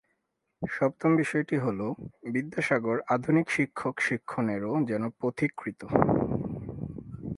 সপ্তম বিষয়টি হলো, বিদ্যাসাগর আধুনিক শিক্ষক-শিক্ষণেরও যেন পথিকৃৎ।